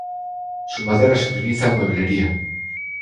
Su madera se utiliza en mueblería.